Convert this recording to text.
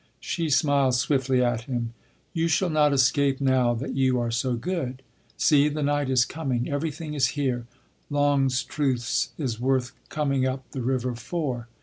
She smiled swiftly at him. "You shall not escape now that you are so good. See, the night is coming. Everything is here. Longstruth’s is worth coming up the river for.